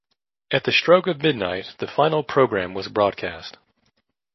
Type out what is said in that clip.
At the stroke of midnight, the final program was broadcast.